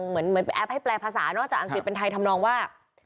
เหมือนเป็นแอปให้แปลภาษาเนอะจากอังกฤษเป็นไทยทำนองว่า